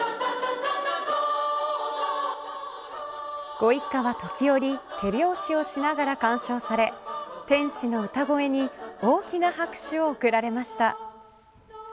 ご一家は時折、手拍子をしながら鑑賞され天使の歌声に大きな拍手を送られました。